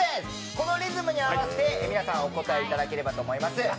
このリズムに合わせて皆さんお答えいただければと思います。